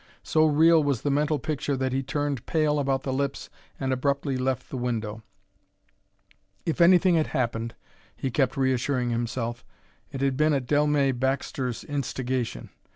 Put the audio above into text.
So real was the mental picture that he turned pale about the lips and abruptly left the window. If anything had happened, he kept reassuring himself, it had been at Dellmey Baxter's instigation.